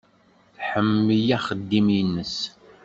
Tḥemmel axeddim-nnes.